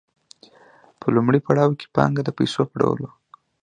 په لومړي پړاو کې پانګه د پیسو په ډول وه